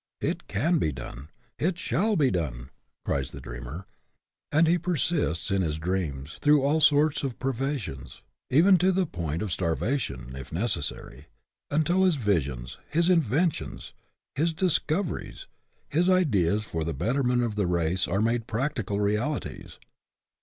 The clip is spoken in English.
" It can be done, it shall be done," cries the dreamer ; and he persists in his dreams through all sorts of privations, even to the point of starvation, if necessary, until his visions, his inventions, his discoveries, his ideas for the betterment of the race, are made practical realities.